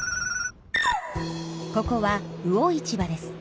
ここは魚市場です。